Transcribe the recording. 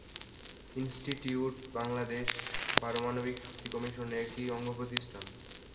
ইনস্টিটিউটটি বাংলাদেশ পারমাণবিক শক্তি কমিশনের একটি অঙ্গ প্রতিষ্ঠান।